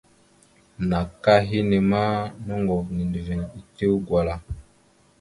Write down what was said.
Naka henne ma noŋgov nendəviŋ etew gwala.